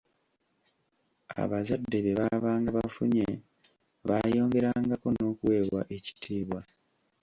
Abazadde bye baabanga bafunye baayongerangako n'okuweebwa ekitiibwa.